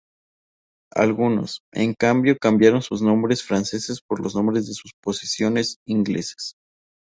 Algunos, en cambio, cambiaron sus nombres franceses por los nombres de sus posesiones inglesas.